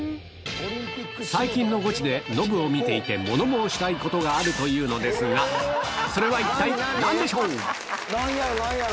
最近のゴチで、ノブを見ていて、物申したいことがあるというのですが、なんやろ？